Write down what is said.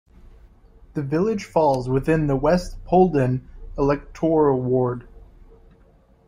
The village falls within the 'West Polden' electoral ward.